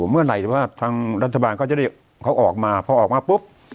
เมื่อไหร่แต่ว่าทางรัฐบาลก็จะได้เขาออกมาพอออกมาปุ๊บ